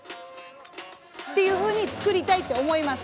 っていうふうに作りたいって思います。